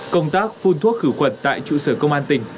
công tác phun thuốc khử khuẩn tại trụ sở công an tỉnh